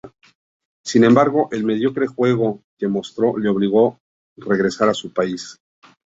Sin embargo, el mediocre juego que mostró le obligó regresar a su país.